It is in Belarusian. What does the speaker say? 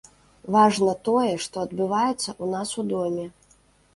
Важна тое, што адбываецца ў нас у доме.